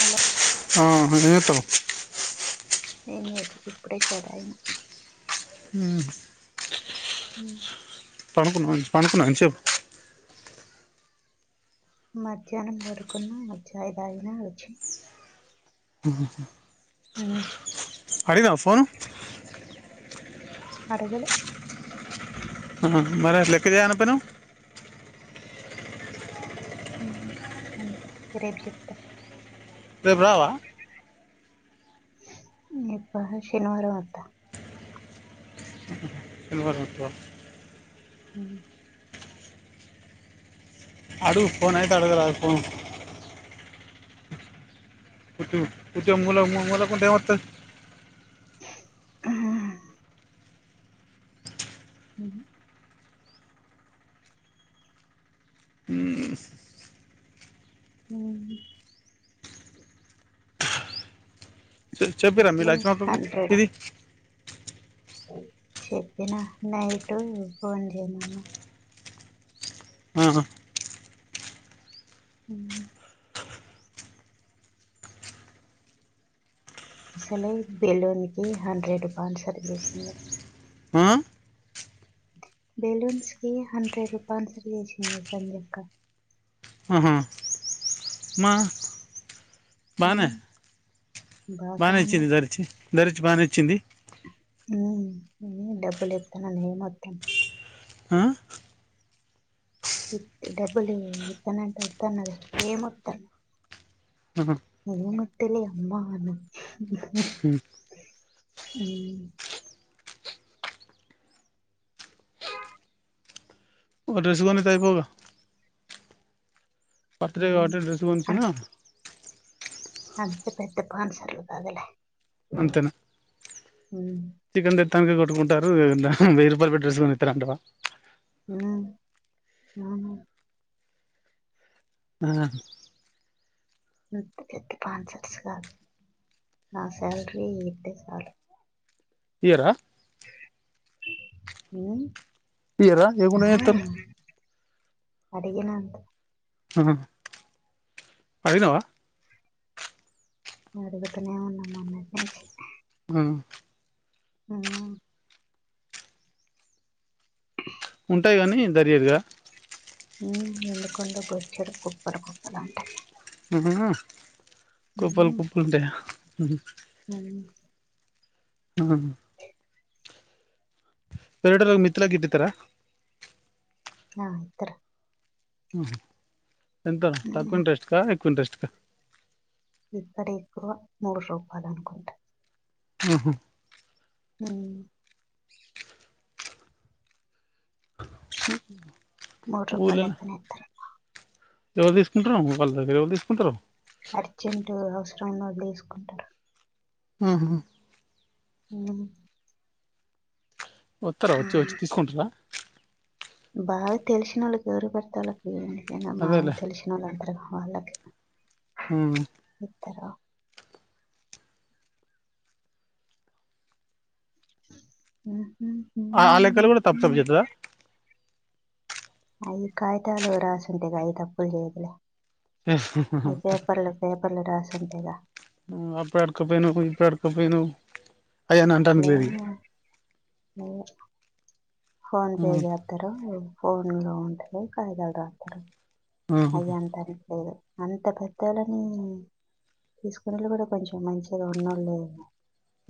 Hello ఆ [unintelligible] తడు ఎం లేదు ఇప్పుడే చాయ్ తగిన హు హు పండుకున్నావా పండుకున్నావా ఇంతసేపు మధ్యాహ్నం పడుకున్న చాయ్ తగిన వచ్చి అహ అడిగిందా ఫోన్ అడుగలే అహ మరి లేక్క చెయ్యనకపోయినవ్ అంతే రేపు చెప్తా రేపు రావా ఇప్ప శనివారం ఒత్త శనివారం వత్తవా హు అడుగు ఫోన్ అయితే అడుగ రాదు ఫోన్ పుట్టు ఉట్టిగా మూలకుంటే ఎం బత్తది ఆ మ్ హు హు చెప్పిర్రా మీ అసలే లక్ష్మి మాక్కకు ఇది. చెప్పినా నైటు ఫోన్ చేయమన్నా. ఆహా హ అసలే బెలూన్ కి హండ్రెడ్ స్పాన్సర్ చేసింది. ఆ? బెలూన్స్ కి హండ్రెడ్ స్పాన్సర్ చేసింది సంధ్యక్క. ఆహా. మా ఉం బాగానే బాగానే ఇచ్చింది దరిచి ధరిచి బానే ఇచ్చింది. డబ్బులు ఇతన న మొత్తం. ఆ? ఇ డబ్బులు ఇత్తనంటే వదన్నద ఏ ఆత్తాను ఆహా. ఏం వతలే అమ్మా అని, ఉమ్. ఒక డ్రెస్ కొనిత్తయిపోవుగా. బర్త్డే ఉమ్ కాబట్టి డ్రెస్ అ కొనిచ్చిన. అంత పెద్ద స్పాన్సర్లు కాదులే. అంతేనా ఉమ్ చికన్ తే నికి కొట్టుకుంటారు. వెయ్యి రూపాయలు పెట్ డ్రెస్ కొనితరు అంటవా. అ ఆ ఆ పెద్ద పెద్ద పాన్సట్స్ కాదు నా శాలరీ ఇతే చాలు. ఇయ్యరా. ఉం ఇయ్యరా ఈయకుంటే ఏం జేతరు. అడిగినంత ఆహా అడిగినవా అడుగుతనే ఉన్నా మొన్నటి నుంచి. అ ఆ ఉంటాయి కానీ దర్యాతుగా ఉమ్ ఎందుకండవు బోచ్చడు కుప్పలు కుప్పలు ఉంటాయి. ఆహా కుప్పల్ ఉమ్ కుప్పలు ఉంటాయా. ఉమ్ ఆ వెరేటోళ్ళకు మిత్తికిల గిట్ల ఇతరా. ఆ ఇతరు. ఆహా ఎంత తక్కువ ఉమ్ ఇంట్రస్ట్కా ఎక్కువ ఇంట్రెస్ట్కా. సత్త ఇక్కడ ఎక్కువ మూడు రూపాయలు అనుకుంట. ఆహో ఉం మూరు రూపాయ ఊర్లల లెక్కన ఇతారు ఎవరు తీసుకుంటారో వాళ్ళ దగ్గర ఎవరు తీసుకుంటారో అర్జెంట్ అవసరం వదిలు వేసుకుంటారు ఆహా హ వస్తారా వచ్చి వచ్చి తీసుకుంటారా బాగా తెలిసిన వాళ్ళు గౌరవపడత వాళ్ ఏనా మా అదేలే తెలిసిన వాళ్ళ అందరగా అలాగే ఇతర హమ్ ఆ అలెకాలు కూడా తప్పు తప్ జతదా ఆ ఈ కాయతాలు రాస ఉంతగాయి తప్పులు చేదలే అ పేపర్ల పేపర్లు రాస అంతేగా అప్పుడు అడుకపోయిను ఇప్పుడు అడుకపోయిను లే ఓ ఫోన్ పే చేస్తార ఏమో ఫోన్ లో ఉంటే కాయిదాలు రాతారు ఇగ అయ్య అంటారు లేదు అంత పెద్దళ్ళని తీసుకునేట్లు కూడా కొంచెం మంచిగా ఉన్నోళ్ళు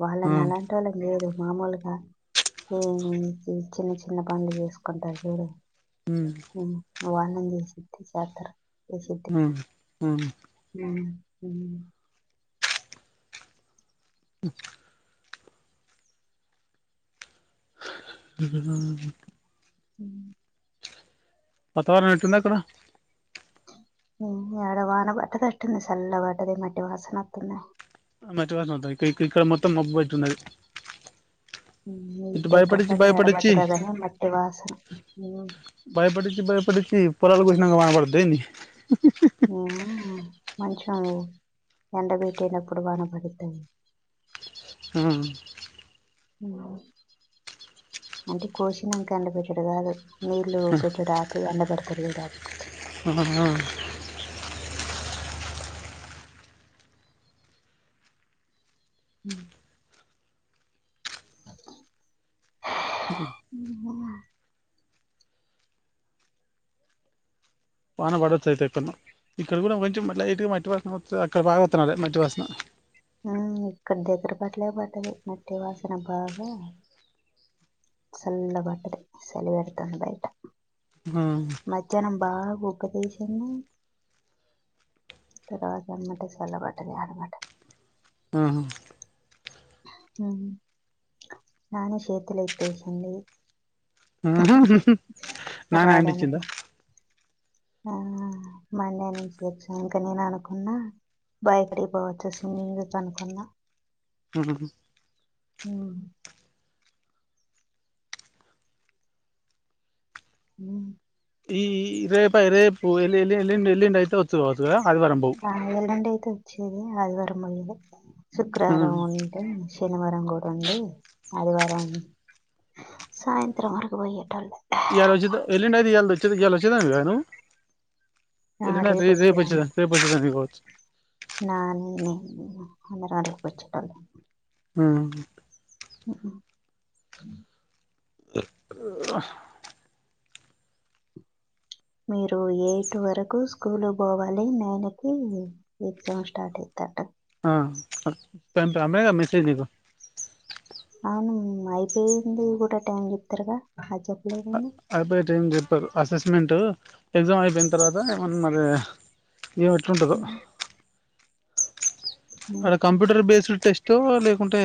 వాళ్ళని అలాంటి వాళ్ళని లేదు మామూలుగా ఏమి చిన్న చిన్న పనులు చేసుకుంటారు చూడు హ ఓనందసి జతర అసితే హమ్ హమ్ హమ్ హ పతవారం ఎట్టుంది ర ఆడ వాన బట్టదట్ంది చల్ వట్టది మట్ే వాసనత్తంద మంచి వాసా ఇక్కడ ఇక్కడ మొత్తం మబ్బు అతున్నది హమ్ ఇ దగ్గర పట్లా ఎడబడ్డదదనే మట్టి వాసన నువు రాకుర్దేమీ ఆ మంచిగా ఉంది ఎండ పెట్టీనప్పుడు వాన పడుద్ది అండి హు అంటే కోసినంకా ఎండపెట్టుడు కాదు నీలు [unintelligible] ఎండ పెడతారు చూడు ఆ హ [unintelligible] వాన పడొచ్చు అయితే ఎ కొ ఇక్కడ కూడా కొంచెం లైట్గా మట్టి వాసన అక్కడ బాగా వస్తునాలే మట్టి వాసన ఇక్కడి దగ్గర పట్టలే పట్టదు మట్టి వాసన బాగా [unintelligible] సలిపెడుతాంది బయట ఆ మధ్యాహ్నం బాగా కూ ఉపదేశాన్ని తర్వాత అమాటే చల్లబడ్డాది అనమాట ఉహు నానే చేతులు ఎతేసింది [unintelligible] నానా హ్యాండ్ ఇచ్చిందా రావడానికి ఆ మండే నుంచి ఎగ్జామ్ ఇంకా నేను అనుకున్నా బాయక్కడికి పోవచ్చు స్విమ్మింగ్ చేయొచ్చు అనుకున్నా అ హ హ ఈ రేపా రేపుల్ ఎ ఎల్ం ఎల్లిండి అయితే వవుతుంది అతుగా ఆ ఎల్లుండి [unintelligible] ఆదివారం [unintelligible] ఆ శుక్రవారం ఉంటే శనివారం కూడా ఉండి అదివారం సాయంత్రం వరకు పోయేటోల్లం ఎలా వచ్చే ఎల్లండి అది ఎ వచ్చే ఎలా వచ్చేదానివా నువు ఆ రేపు ఇ రేపచ్చదా రేపువచేదానివి [unintelligible] [unintelligible] వచ్చేటోళ్లు ఊ ఉఓ ఆ మీరు ఎయిట్ వరకు స్కూల్ పోవాలి నైన్ కి ఎగ్జామ్ స్టార్ట్ అయితంటది ేగా [unintelligible] మెసేజ్ నీకు అవును అయిపోయింది కూడా టైమ్ చెప్తారుగా చెప్పలేదండి అయిపోయితే ఏం చెప్పరు అసెస్మెంట్ ఎగ్జామ్ అయిపోయిన తర్వాత ఏమన్నా మరి ఏమో ఎట్లుంటదో అరె కంప్యూటర్ బేస్డ్ టెస్ట్ లేకుంటే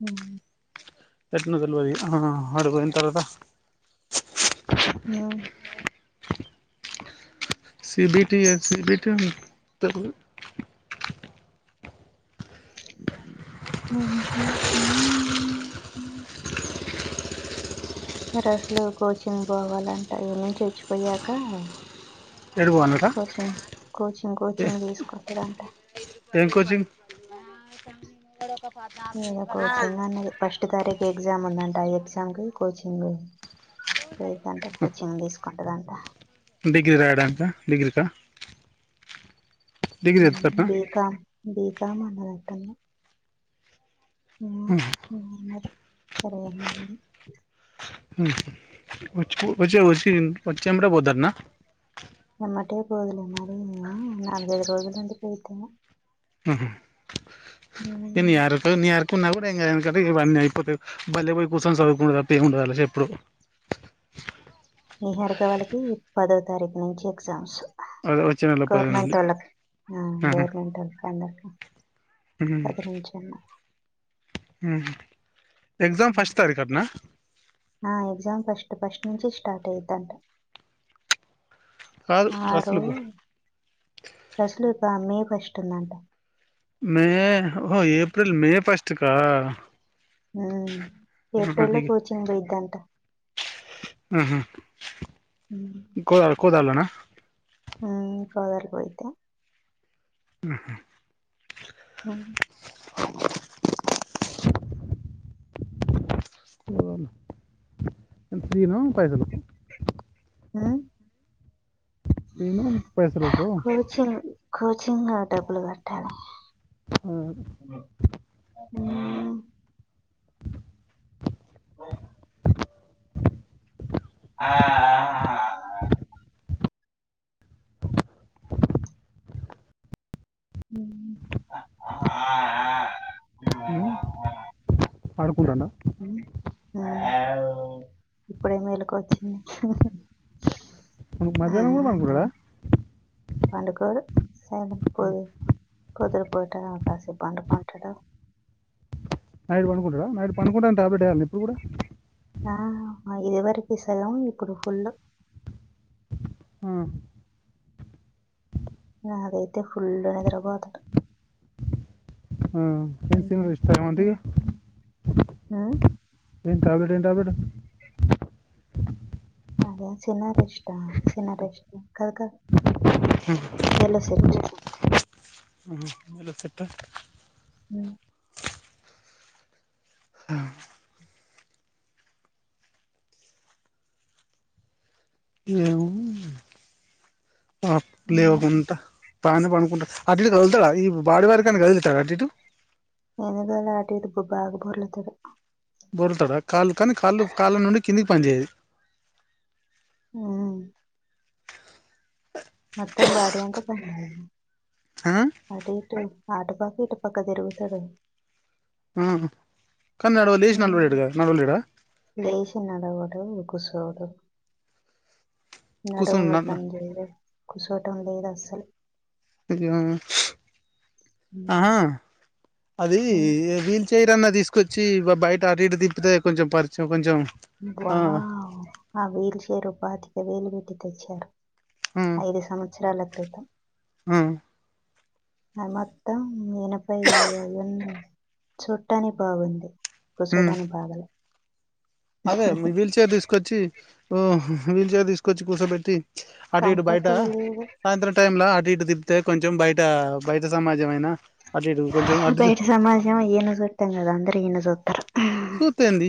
హ్మ్ పెట్టిన తెలవది అడ్డకి పోయినా తరువాత ఆ సిబీటియా సిబీటీ [unintelligible] హ మీరు అసలు కోచింగ్ పోవాలంట ఎన్నించి వచ్చిపోయాక ఏడికి పోవాలట కోచింగ్ కోచింగ్ కోచింగ్ తీసుకుంటాడు అంటా ఏం కోచింగ్ లేదా కోచింగ్ అన్నది ఫస్ట్ తారీఖ ఎగ్జామ్ ఉందంట ఆ ఎగ్జామ్ కి కోచింగ్ చింగు తీసుకుంటదంట డిగ్రీ రాయడానీకా డిగ్రీ కా ఉహు ఎత్తట్నా బి కామ్ బి బమాండ ట్టంగా ఆ సరే నా అండి హ్మ్ వచ్చే వచ్చే వచ్చే ఏమంటే పోతర్న ఎమాటే పోదులే మారి నే నాలుగైదు రోజులు ఉండి పోయిది ఏమో ఆహా ఏ నయకున్నా కూడా ఇం అయిపోతే బలే పోయి కూర్చొని చదువుకుండ తప్ప ఏం ఉండదు వాళ్ళ చేప్పుడు నిహరిక వాళ్ళకి పద తారీఖు నుంచి ఎగ్జామ్స్ అదే వచ్చే నెల పది గవర్నమెంట్ నుండి వాళ్ళకి ఆహా గవర్నమెంట్ వాళ్ళకి అందరికి పది నుంచి అన్నా మ్మ్ ఎక్జామ్ ఫస్ట్ ఫస్ట్ నుంచి స్టార్ట్ అయిద్దంట కాదు ఆరు అసలుకు రసలుకా మే కష్టందంట మే ఏప్రిల్ మే ఫస్ట్ కా మ్మ్ ఆహా ఏప్రిల్ లో ఇగ- కోచింగ్ పోయిద్దంట ఆహా. కోదలోనా మ్మ్ కాదాల పోయిదే ఆహా హ్మ్ ను ఎంతన ఇకాయదనకు మ్మ్ పోయిన పైసలుకు కోచింగ్ కోచింగ్ డబ్బులు కట్టాలి. ఆ, మ్ ఆ ఆ ఆ ఉమ్, మ్ ఆడుకుంటాండ ఉమ్. ఇప్పుడే మెలుకువ వచ్చింది ఉమ్ మధ్యాహ్నం కూడా పనుకుంటడా పండుకోడు సైలం పొ పొద్దున్న పూట కాసేపు పండుకుంటాడు నైటు పనుకుంటాడా, నైట్ పడుకుంటానే టాబ్లెట్ ఎయ్యాల్నా? ఇప్పుడు కూడా ఆ ఇదివరకు వేసెదం ఇప్పుడు ఫుల్ ఆ, నాదైతే ఫుల్లు నిద్రబోతడు మ్ ఎం సినిమా చూస్తాంటి ఇగ హు్మ్ ఏంద్ టాబ్లెట్ ఏం టాబ్లెట్ అదే చిన్నారి ఇష్టా చిన్నారేష్ట కాదు కాదు మెల సెట్ అలో సరితా హుమ్ ఆ ఏమో లేవు ఉమ్ గుంట బానే పండుకుంటా అటిటు కదులుతాడ ఈ బాడి వరకైనా కదులుతాడ అటుఇటు ఏనుగుల అటుఇటు బో బాగ బొర్లతడు బోర్లుతాడ కాళ్ళు కానీ కాళ్ళు కాళ్ళ నుండి కిందికి పనిచెయ్యదు హుమ్ బాడీ అంతా పని ఆ అటు ఇటు అటు పక్క ఇటు పక్క తిరుగుతడు మ్ హు మ్ లేేసి నడవడు కుసోడు కూర్చొని నడుములు న పనిజెయ్యవ్ కుసోటం లేదు అస్సలు అయ్యో ఆ ఉమ్ అది ఉమ్, వీల్ చైర్ అన్నా తీస్ కొచ్చి బ్ బయట అటీటు తిప్పితే కొంచం పరిచ కొంచెం ఆ వావ్ ఆ వెయిల్ చైరు ఓ పాతిక వేలు పెట్టి తెచ్చారు ఆ ఐదు సంవత్సరాల క్రితం ఆ అది మొత్తం ఎనబై అయింది చుట్టానికి బాగుంది ఉమ్ కొచ్చోడానికి బాగలే అదే మీ వీల్ చైర్ తీసుకొచ్చి ఓ వీల్చైర్ తీసుకొచ్చి కూచోబెట్టి అటు ఇటు బయట కంఫర్ట్గా లేదు సాయంత్రం టైమ్లా అటు ఇటు తిప్పితే కొంచెం బయట బయట సమాజం అయినా బయట సమాజం ఈయన్ను సుట్టం లేదు అందరూ ఈయన్ని సూత్తరు సూత్తె ఏంది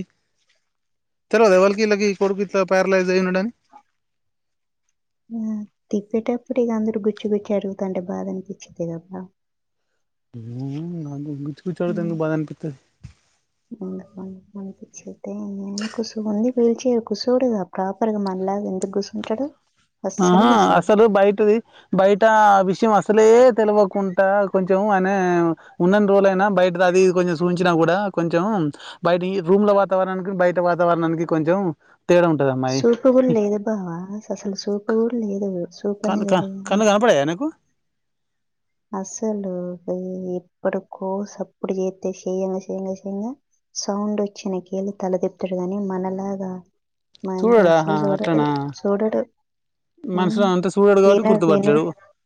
తెల్వదా ఎవళ్ళకి ఇలకి కొడుకు ఇట్లా ప్యారలైజ్ అయ్యి ఉన్నాడాని ఆ తిప్పేటప్పుడు ఇగ అందరు గుచ్చి గుచ్చి అడుగుతంటే బాధ అనిపిచ్చిద్ది కదా ఉ అ చూ చందుకు బా అనిపింది ందు ప నేను కుసు ఉంది పీల్చే కుసువుడు కద ప్రాపర్ గా మనలా ఎందుకు గుసుంటాడు ఆహా అసలు బయటిది బయట విషయం అసలే తెలివకుండా కొంచం అనే ఉన్నని రోలయినా బయట అది కొంచెం చూంచినా కూడా కొంచెం బయట రూమ్ల వాతావరణానికి బయట వాతావరణానికి కొంచెం తేడా ఉంటది అమ్మాయి సూపుగుల్ లేదు బావా అసలు సూపు అరు లేరు క క కన్ను కన పడే ఎకు అసలు ఎప్పడు కోస అప్పుడు చేస్త చేయంగా చేయ్యంగా చేయంగా సౌండ్ వచ్చినకేళి తలదిప్తాడు కాని మనలాగా మహేంద్ర చూడాడాహా అసలు చూడడు అట్నా చూడడు. హ్మ్. మనుషులో అంతే చూడాడు విన కాబట్టి విను గుర్తుపట్టలేడు